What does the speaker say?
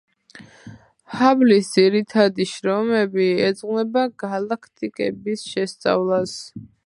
ჰაბლის ძირითადი შრომები ეძღვნება გალაქტიკების შესწავლას.